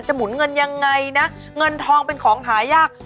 หมุนเงินยังไงนะเงินทองเป็นของหายาก